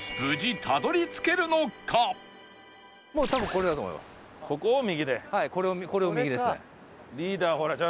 これを右ですね。